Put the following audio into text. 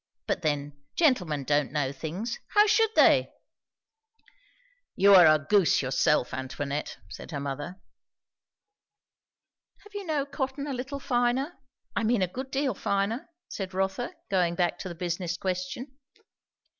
But then, gentlemen don't know things how should they?" "You are a goose yourself, Antoinette," said her mother. "Have you no cotton a little finer? I mean a good deal finer?" said Rotha, going back to the business question.